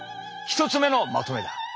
１つ目のまとめだ。